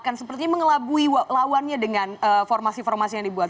dan sepertinya mengelabui lawannya dengan formasi formasi yang dibuat